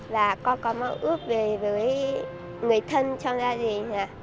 và con có mong ước về với người thân trong gia đình